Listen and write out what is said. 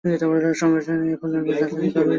সংগঠনটি ইতিমধ্যে একটি পূর্ণাঙ্গ রাজনৈতিক দলের রূপ নেয়।